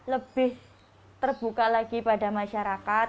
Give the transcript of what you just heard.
lebih terbuka lagi pada masyarakat